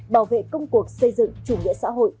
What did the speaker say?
bảo vệ công cuộc xây dựng chủ nghĩa xã hội